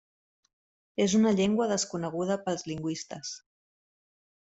És una llengua desconeguda pels lingüistes.